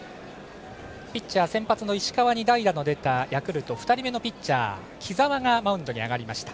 ピッチャー先発の石川に代打が出てヤクルト２人目のピッチャー木澤がマウンドに上がりました。